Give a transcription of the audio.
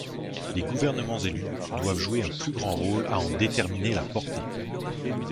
Les gouvernements élus doivent jouer un plus grand rôle à en déterminer la portée.